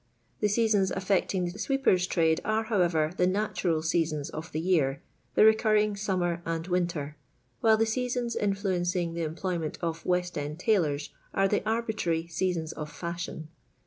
The leaaons affecting the sweepers' trade are, however, the nofvm/ seasons of the year, the recurring inmmer and winter, while the leatons influencing the emplof ment of West end tailors are the mrbiirarif seasoni of fiuhion.